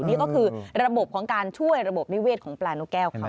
นี่ก็คือระบบของการช่วยระบบนิเวศของปลานกแก้วเขา